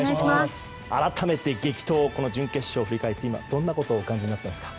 改めて、激闘この準決勝を振り返って今、どんなことをお感じになっていますか？